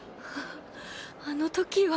あの時は。